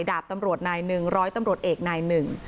ดาบตำรวจนายหนึ่งร้อยตำรวจเอกนายหนึ่ง